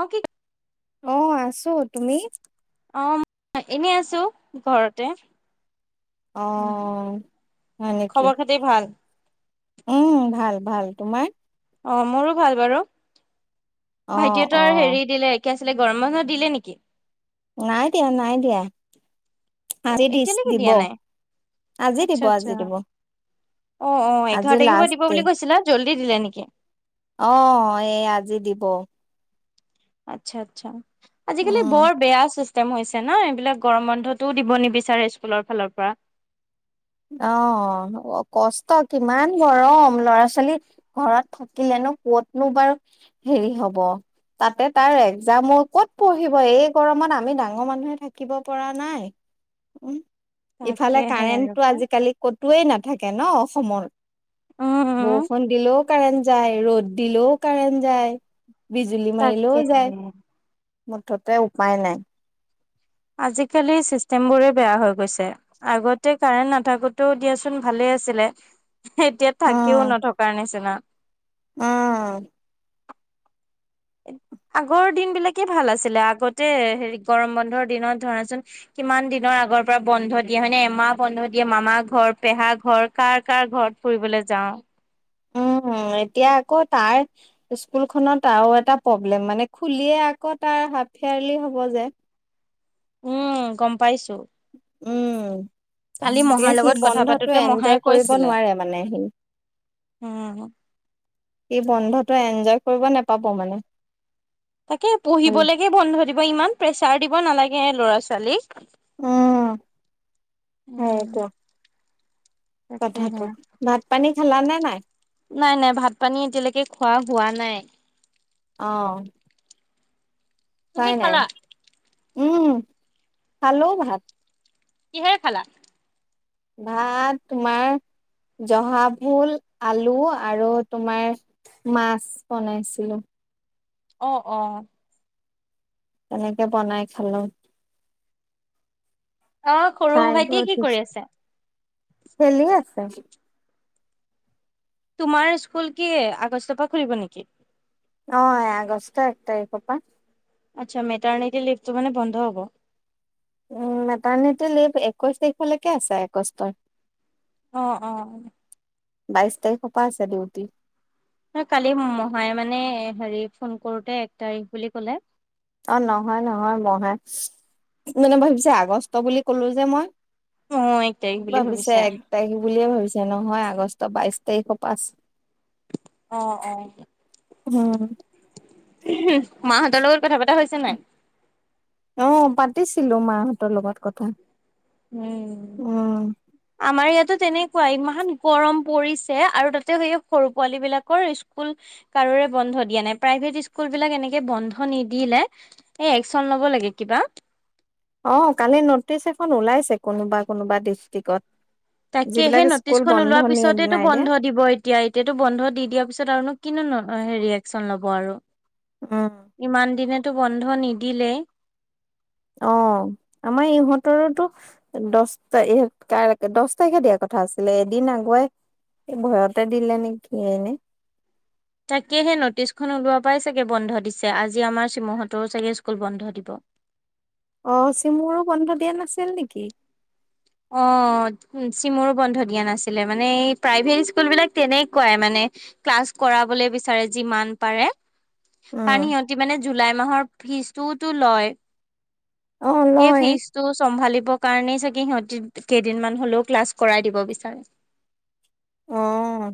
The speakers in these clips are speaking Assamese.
অ কি? অ আছো। তুমি? অ [unintelligible] এনেই আছো ঘৰতে। অঁ হয় নেকি? যি ভাল? উম ভাল, ভাল। তোমাৰ? অ মোৰো ভাল বাৰু অ অ ভাইটিহঁতৰ হেৰি দিলে কি আছিলে গৰম বন্ধ দিলে নেকি? নাই দিয়া, নাই দিয়া। অ আজি দিছ এতিয়ালৈকে দিব, দিয়া নাই আজি আচ্ছা দিব, আচ্ছা আজি দিব। অ অ আজি এঘাৰ তাৰিখৰ পৰা লাষ্ট দিব ডে বুলি কৈছিলা, জল্দি দিলে নেকি? অ এই আজি দিব। আচ্ছা, আচ্ছা আজিকালি উম বৰ বেয়া চিষ্টেম হৈছে ন, এইবিলাক গৰম বন্ধটোও দিব নিবিচাৰে স্কুলৰ ফালৰ পৰা। অ কষ্ট কিমান গৰম, ল'ৰা-ছোৱালী ঘৰত থাকিলেনো কতনো বাৰু হেৰি হব তাতে তাৰ একজাম ক'ত পঢ়িব এই গৰমত আমি ডাঙৰ মানুহে থাকিব থাকিব পৰা নাই, উম। ইফালে তাকেহে আৰু কাৰেণ্টটো পাই আজিকালি কতোৱেই নাথাকে ন অসমৰ? উম উম বৰষুণ দিলেও কাৰেণ্ট যায়, ৰ'দ দিলেও কাৰেণ্ট যায়, বিজুলী মাৰিলেও তাকে যায়, মুঠতে উপায় নাই। আজিকালি ছিষ্টেমবোৰেই বেয়া হৈ গৈছে। আগতে কাৰেণ্ট নাথাকোতেও দিয়াচোন ভালে আছিলে এতিয়া থাকিও উম নথকাৰ নিচিনা। উম' আগৰ দিন বিলাকে ভাল আছিলে, আগতে হেৰি গৰম বন্ধৰ দিনত ধৰাচোন কিমান দিনৰ আগৰ পৰা বন্ধ দিয়ে হয় নে, এমাহ বন্ধ দিয়ে মামা ঘৰ, পেহা ঘৰ, এই কাৰ কাৰ ঘৰ ফুৰিবলৈ যাওঁ। উম, এতিয়া আকৌ তাৰ স্কুলখনত আৰু এটা প্ৰব্লেম, মানে খুলিয়ে আকৌ তাৰ হাফ এয়াৰলি হ'ব যে। উম গম পাইছো। উম। কালি গতিকে মহাৰ সি লগত কথা বন্ধতটো পাতোতে মহাই এনজয় কৰিব কৈছিলে নোৱাৰে মানে সি। উম। এই বন্ধটো এনজয় কৰিব নেপাব মানে। তাকে ভাল পঢ়িবলৈকে বন্ধ দিব ইমান প্ৰেচাৰ দিব নালাগে ল'ৰা ছোৱালীক। উম সেইটো উম, কথাটো, তাকেহে ভাত পানী খালা নে নাই? নাই, নাই ভাত পানী এতিয়ালৈকে খোৱা হোৱা নাই। অঁ। তুমি নাই-নাই খালা উম, খালো ভাত। কিহেৰে খালা? ভাত তোমাৰ জহা ভুল, আলু, আৰু তোমাৰ মাছ বনাইছিলো। অ', অ', তেনেকে বনাই খালো। অ সৰু খাই বৈ ভাইটিয়ে কি কৰি উঠিছো, আছে? খেলি আছে। তোমাৰ স্কুল কি আগষ্টৰ পৰা খুলিব নেকি? অ, আগষ্ট এক তাৰিখৰ পৰা। আচ্ছা মেটাৰ্নিটি লিভ তটো মানে বন্ধ হব। উম, মেটাৰ্নিটি লাইভ একৈশ তাৰিখলৈকে আছে আগষ্টৰ। অ', অ', বাইছ তাৰিখ পা আছে ডিউটি। কালি মহাই মানে হেৰি ফোন কৰোতে এক তাৰিখ বুলি ক'লে। অ, নহয়-নহয় মহাই মানে ভাবিছে আগষ্ট বুলি কলো যে মই। অ এক তাৰিখ বুলি ভাবিছে এক তাৰিখ বুলিয়ে ভাবিছে নহয় আগষ্টৰ বাইশ তাৰিখৰ পাচ অ', অ', উম, মাহতৰ লগত কথা পতা হৈছে নাই? অ, পাতিছিলো মাহতৰ লগত কথা। উম, আমাৰ ইয়াতো তেনেকুৱা ইমান গৰম পৰিছে আৰু তাতে সেই সৰু পোৱালী বিলাকৰ স্কুল কাৰোৰে বন্ধ দিয়া নাই, প্ৰাইভেট স্কুল বিলাক এনেকে বন্ধ নিদিলে এই একচন ল'ব লাগে কিবা। অ, কালি নটিচ এখন ওলাইছে কোনোবা - কোনোবা ডিষ্ট্ৰিক্ত। তাকে সেই নটিচখন ওলোৱাৰ নিয়ে পিছতেতো নাই দিয়া বন্ধ দিব। এতিয়া-এতিয়াতো বন্ধ দি দিয়াৰ পিছত আৰুন নো কি নো হেৰি একশচন ল'ব আৰু। উম, ইমান দিনেতটো বন্ধ নিদিলেই। অ, আমাৰ ইহঁতৰোতো দস টা এহ কাই দস তাৰিখে দিয়া কথা আছিলে এদিন আগুৱাই এই ভয়তে দিলে নেকি এনে। তাকে সেই নটিচখন ওলোৱা পৰাই চাগে বন্ধ দিছে আজি আমাৰ শিমহতৰো চাগে স্কুল বন্ধ দিব। অ, চিমুৰো বন্ধ দিয়া নাছিল নেকি? অ, চিমৰো বন্ধ দিয়া নাছিলে মানে এই প্ৰাইভেট স্কুল বিলাক তেনেকুৱাই মানে ক্লাছ কৰাবলৈ বিচাৰে যিমান পাৰে। কাৰণ উম, সিহতি মানে জুলাই মাহৰ ফিজটোওতো লয়। অ', সেই লয় ফিজটো চম্ভালিবৰ কাৰণেই চাগে সিহতি কেইদিনমান হলেও ক্লাছ কৰাই দিব বিচাৰে। অ',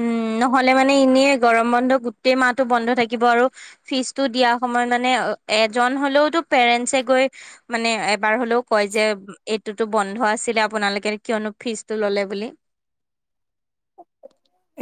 উম, নহ'লে মানে এনেই গৰম বন্ধ গোটেই মাহটো বন্ধ থাকিব আৰু ফিজটো দিয়া সময়ত মানে এজন হলেওতো পেৰেন্টছে গৈ মানে এবাৰ হ'লেও কয় যে, এইটোতো বন্ধ আছিলে আপোনালোকে কিয়নো ফিজতটো ল'লে বুলি।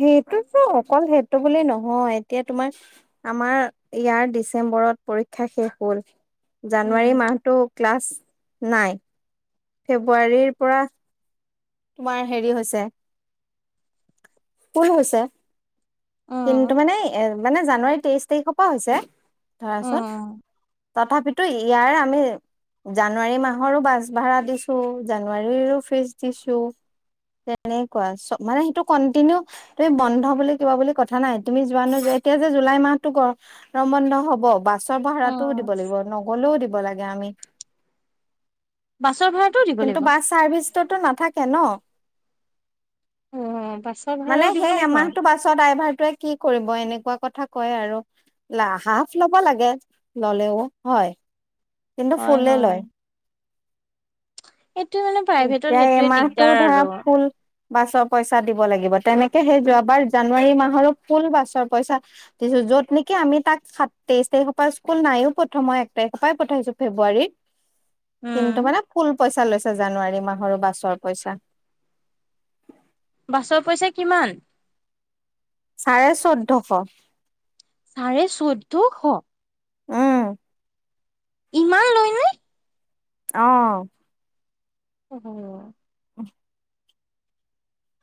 সেইটোতো অকল সেইটো বুলি নহয় এতিয়া তোমাৰ আমাৰ ইয়াৰ ডিচেম্বৰত পৰীক্ষা শেষ হ'ল। উম জানুৱাৰী মাহতো ক্লাছ নাই ফেব্ৰুৱাৰীৰ পৰা তোমাৰ হেৰি হৈছে, কোন হৈছে? কিন্তু অ', মানে এ মানে জানুৱাৰী তেইশ তাৰিখৰ পৰা হৈছে তাৰপাছত, অ', তথাপিতো ইয়াৰে আমি জানুৱাৰী মাহৰো বাছ ভাড়া দিছো জানুৱাৰীৰো ফিজ দিছো। তেনেকুৱা চ মানে সেইটো কন্টিনিউ। তুমি বন্ধ বুলি কিবা বুলি কথা নাই, তুমি যোৱা নোযোৱা এতিয়া যে জুলাই মাহটো ক। গৰম বন্ধ হ'ব বা বাছৰ ভাড়াটোও অ', দিব লাগিব নগলেও দিব লাগে আমি। বাছৰ ভাড়াটোও দিব লাগিব। ছাৰ্ভিচটোত নাথাকে ন অ', বাছৰ মানে ভাড়াও দিব সেই লাগিব। এমাহটো বাছ বাছৰ ডাইভাৰটোৱে কি কৰিব এনেকুৱা কথা কয় আৰু লা হাফ ল'ব লাগে ললেও হয় কিন্তু হয়, ফুলেই হয়, লয় এটো মানে প্ৰাইভেটত এতিয়া সেইটোৱে এমাহটো দিগদাৰ ধৰা আৰু ফুল বাছৰ পইচা দিব লাগিব তেনেকে সেই যোৱাবাৰ জানুৱাৰী মাহৰো ফুল বাছৰ পইচা দিছোঁ যত নেকি আমি তাক সাত তেইশ তাৰিখৰ পৰা স্কুল নাইয়ো, প্ৰথম এক তাৰিখৰ পৰাই পঠাইছো ফেব্ৰুৱাৰীত উম, কিন্তু মানে ফুল পইচা লৈছে জানুৱাৰী মাহৰো বাছৰ পইচা বাছৰ পইচা কিমান চাৰে চৈধ্যশ চাৰে চৈধ্যশ উম ইমান লৈ নে অ অহ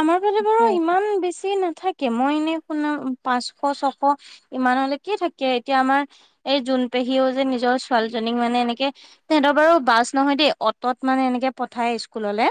আমাৰ ফালে বাৰু সেই ইমান বেছি নাথা কে মই এনে শুনা পাঁচশ ছশ ইমানলৈকে থাকে এতিয়া আমাৰ এই জোন পেহীও যে নিজৰ ছোৱালীজনীক মানে এনেকে তেহেতৰ বাৰু বাছ নহয় দেই অটত মানে এনেকে পঠায় স্কুললে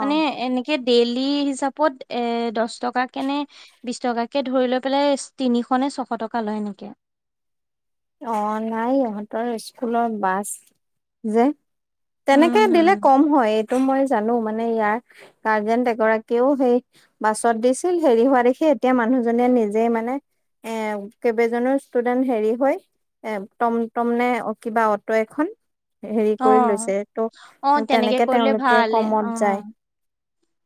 মানে এনেকে ডেইলি হিচাপত এ দহ টকা কেনে বিশ টকাকে ধৰি লৈ পেলাই তিনিশ নে ছশ টকা লয় এনেকে অ নাই ইহঁতৰ স্কুলত বাছ যে তেনেকে উম দিলে হম কম হয় এইটো মই জানো মানে ইয়াৰ গাৰ্জেন এগৰাকীও সেই বাছত দিছিল হেৰি হোৱা দেখি এতিয়া মানুহজনীয়ে নিজে মানে এ কেইবাজনো ষ্টুডেন্ট হেৰি হয় এ টম টম নে কিবা অটো এখন হেৰি অ কৰি লৈছে অ ত' তেনেকে কৰিলে তেওঁলোকে ভাল অ কমত যায়।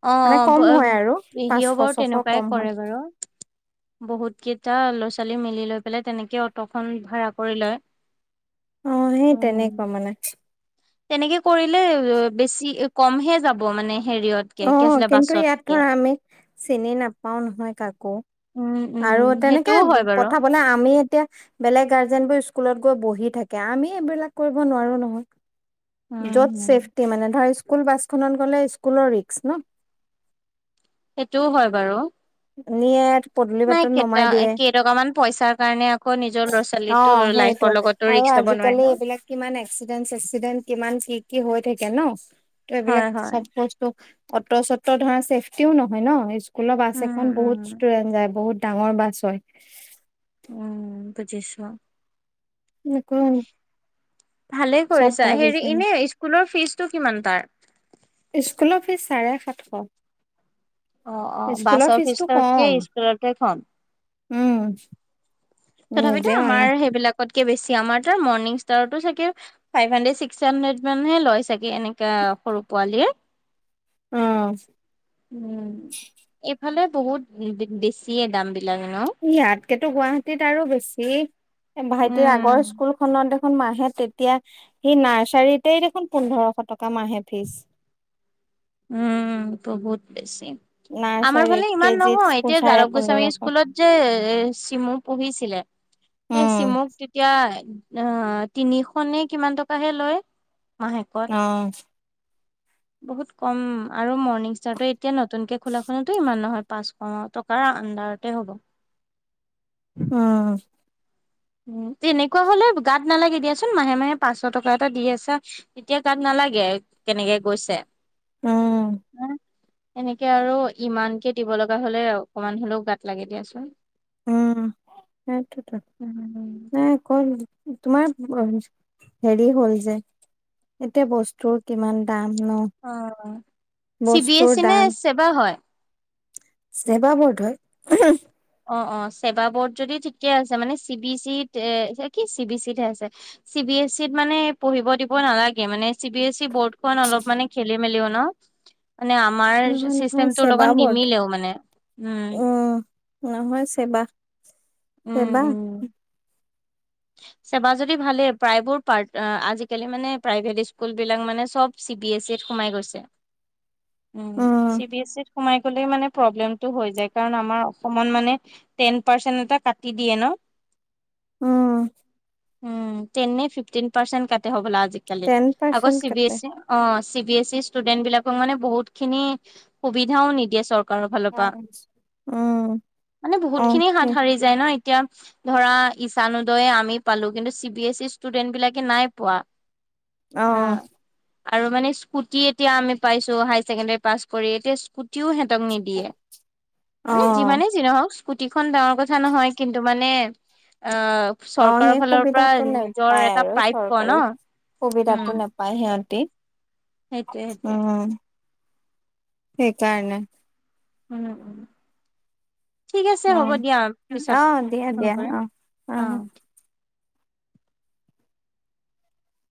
অ মানে কম অ হয় আৰু পেহীয়েও বাৰু পাঁচশ ছশ তেনেকুৱাই কম কৰে হয় বাৰু বহুত কেইটা ল'ৰা ছোৱালী মিলি লৈ পেলাই তেনেকে অটখন ভাড়া কৰি লয়। অ সেই তেনেকুৱা মানে তেনেকে কৰিলে বেছি কমহে যাব মানে হেৰিয়ত অ কিন্তু ইয়াত ধৰা আমি চিনি নাপাও নহয় কাকো উম উম আৰু তেনেকে সেইটোও হয় বাৰু। পঠাবলে আমি এতিয়া বেলেগ গাৰ্জেনবোৰ স্কুলত গৈ বহি থাকে আমি এইবিলাক কৰিব নোৱাৰো নহয়। উম য'ত হম। ছেফটি মানে ধৰ স্কুল বাছখনত গ'লে স্কুলৰ ৰিস্ক ন সেইটোও হয় বাৰু নিএট নাই কেইটা কেইটকামান পইচাৰ কাৰণে আকৌ নিজৰ ল'ৰা অ ছোৱালীটোৰ সেইটো লাইফৰ লগত আৰু আজিকালি এইবিলাক কিমান এক্সিডেন্ট চেসিডেন্ট কিমান কি কি হৈ থাকে ন, ত এইবিলাক হয় হয়। চাপোছ অটো চত ধৰা চছেফটিও নহয় ন স্কুলৰ বাছ উম এখন উম। বহুত [unintelligible] যায় বহুত ডাঙৰ বাছ হয়। উম বুজিছো। নকয়। ভালে কৰিছা। হেৰি এনে স্কুলৰ ফিজটো কিমান তাৰ? স্কুলৰ ফিজ চাৰে সাতশ। অ, অ স্কুলৰ বাছৰ ফিজটো ফিজতকে কম স্কুলতে কম। উম নিজে তথাপিতো অনা আমাৰ সেইবিলাকতকে বেছি। আমাৰ তাৰ মৰ্ণিং ষ্টাৰতো চাগে ফাইভ হানড্ৰেড, ছিক্স হানড্ৰেড মানহে লয় ছাগে এনেকা সৰু পোৱালিৰ। অ। উম, এইফালে বহুত বে বেছিয়ে দাম বিলাক ন? ইয়াতকেটো গুৱাহাটীত আৰু বেছি। ভাইটিৰ উম। আগৰ স্কুল খনত দেখোন মাহে তেতিয়া সি নাৰ্চাৰীতেই দেখোন পোন্ধৰশ টকা মাহে ফীজ। উম, বহুত বেছি। নাই। আমাৰ ফালে ইমান নহয়। এতিয়া যাদৱ গোস্বামী পোন্ধৰশ স্কুলত যে চিমু পঢ়িছিলে সেই উম। চিমুক তেতিয়া আ তিনিশ নে কিমান টকাহে লয় মাহেকত। অ বহুত কম আৰু মৰ্ণিং ষ্টাৰটো এতিয়া নতুনকে খোলাখনটো ইমান নহয়। পাঁচশ টকাৰ আণ্ডাৰতে হ'ব। উম। উ তেনেকুৱা হ'লে গাত নালাগে দিয়াচোন, মাহে মাহে পাঁচশ টকা এটা দি আছা। তেতিয়া গাত নালাগে কেনেকে গৈছে। উম [inaudible] এনেকে আৰু ইমানকে দিব লগা হ'লে অকমান হ'লেও গাত লাগে দিয়াচোন। উম সেইটোৱেটো। উম, উম। নাই কল তোমাৰ হেৰি হ'ল যে এতিয়া বস্তুৰ কিমান দাম ন? অ, চি বি বস্তুৰ এছি নে দাম চেবা হয়? চেবা বৰ্ড হয়। [unintelligible] অ, অ চেবা বৰ্ড যদি ঠিকে আছে, মানে চি বি চি এ কি চি বি চিতহে আছে চি বি এছিত মানে পঢ়িব দিব নালাগে, মানে চি বি এছি বৰ্ডখন অলপ মানে খেলি-মেলিও ন। [inaudible] মানে আমাৰ নহয় নহয় চিষ্টেমটোৰ চেবা লগত বৰ্ড নিমিলেও মানে, হুম। উম, নহয় চেবা, উম, চেবা। উম। ছেবা যদি ভালেই, প্ৰায়বোৰ পাৰ্ট আজি-কালি মানে প্ৰাইভেট স্কুল বিলাক মানে চব চি বি এছিত সোমাই গৈছে। [inaudible] উ, উম, চি বি এছিত সোমাই গলেই মানে প্ৰব্লেম। টো হৈ যায় কাৰণ আমাৰ অসমত মানে টেন পাৰ্চেন এটা কাটি দিয়ে ন। উম। উম টেন নে ফিফটিন পাৰ্চেন্ট কাটে হ'বলা আজি-কালি? টেন আগত পাৰ্চেন্ট চি বি কাটে। এছি অ, চি বি এছি ষ্টুডেন্ট বিলাকক মানে বহুত খিনি সুবিধাও নিদিয়ে চৰ কাৰৰ ফালৰ পৰা, উম, মানে বহুত অ', খিনি হাত সাৰি যাই ন এতিয়া ধৰা ইছ ইছান উদয় আমি পালো কিন্তু চি বি এছি ষ্টুডেন্ট বিলাকে নাই পোৱা। আ অ', আৰু মানে স্কুটি এতিয়া আমি পাইছো হাই ছেকেণ্ডাৰী পাছ কৰি, এতিয়া স্কুটিও হিহঁতক নিদিয়ে মানে, অ', যিমানে যি নহওক স্কুটিখন ডাঙৰ কথা নহয়। কিন্তু মানে অ অ', চৰকাৰৰ সেই ফালৰ পৰা সুবিধাটো নিজৰ নেপায় এটা আৰু প্ৰাপ্য ন, উম। পায় সিহঁতি, সেইটোৱে সেইটোৱে। উম সেইকাৰণে। উম ও ঠিক আছে হ'ব উম, দিয়া পিছত অ', দিয়া ফোন দিয়া কৰিম অ', অ।